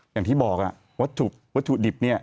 อย่างที่บอกวัตถุดิบเนี่ย